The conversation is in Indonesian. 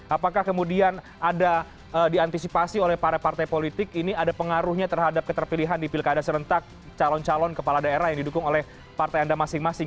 apakah kemudian ada diantisipasi oleh para partai politik ini ada pengaruhnya terhadap keterpilihan di pilkada serentak calon calon kepala daerah yang didukung oleh partai anda masing masing